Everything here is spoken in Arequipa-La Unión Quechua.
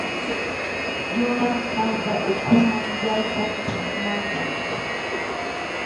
Yurap allpa ukhuman yaykuq phatmantam.